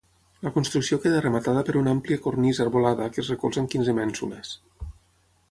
La construcció queda rematada per una àmplia cornisa volada que es recolza en quinze mènsules.